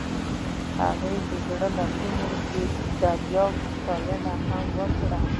هغې د زړه له کومې د دریاب ستاینه هم وکړه.